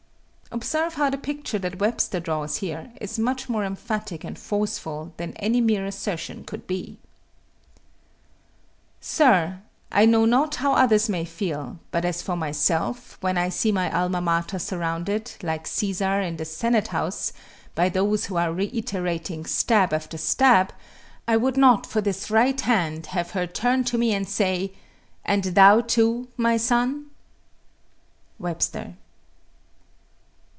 Observe how the picture that Webster draws here is much more emphatic and forceful than any mere assertion could be: Sir, I know not how others may feel, but as for myself when I see my alma mater surrounded, like Cæsar in the senate house, by those who are reiterating stab after stab, I would not for this right hand have her turn to me and say, "And thou, too, my son!" WEBSTER.